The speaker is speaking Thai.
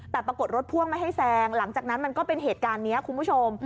แต่ปรากฏรถพ่วงไม่ให้แซงหลังจากนั้นมันก็เป็นเหตุการณ์นี้คุณผู้ชม